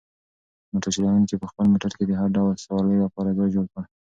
موټر چلونکي په خپل موټر کې د هر ډول سوارلۍ لپاره ځای جوړ کړ.